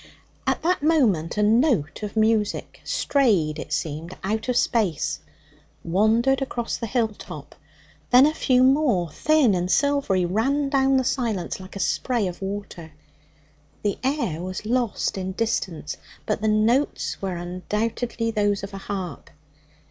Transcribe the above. At that moment a note of music, strayed, it seemed, out of space, wandered across the hill top. Then a few more, thin and silvery, ran down the silence like a spray of water. The air was lost in distance, but the notes were undoubtedly those of a harp.